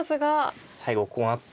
最後こうなって。